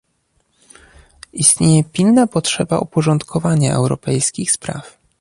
Istnieje pilna potrzeba uporządkowania europejskich spraw